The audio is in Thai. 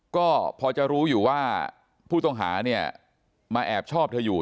ก็พอจะรู้อยู่ว่าผู้ต้องหาเนี่ยมาแอบชอบเธออยู่